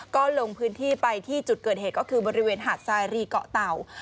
ก็ลงพื้นที่ไปที่จุดเกิดเหตุก็คือบริเวณหาดทรายรีเกาะเต่า